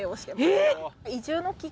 えっ！？